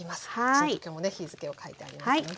ちゃんと今日もね日付を書いてありますので。